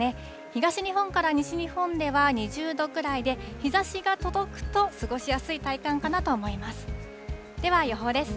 東日本から西日本では２０度くらいで、日ざしが届くと、過ごしやすい体感かなと思います。